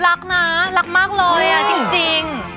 รักนะรักมากเลยจริง